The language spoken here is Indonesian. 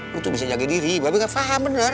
lo tuh bisa jaga diri mba be kan paham bener